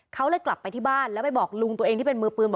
เขาเลยกลับไปที่บ้านแล้วไปบอกลุงตัวเองที่เป็นมือปืนบอก